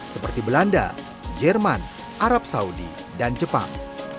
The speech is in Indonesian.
seperti belanda jerman arab saudi dan jepang